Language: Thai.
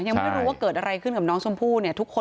ยังไม่รู้ว่าเกิดอะไรขึ้นกับน้องสมผู้